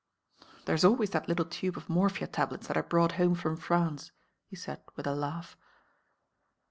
"There's always that little tube of morphia tablets that I brought home from France," he said with a laugh.